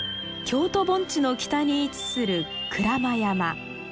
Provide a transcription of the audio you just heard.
京都盆地の北に位置する鞍馬山。